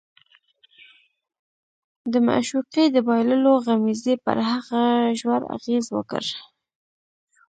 د معشوقې د بایللو غمېزې پر هغه ژور اغېز وکړ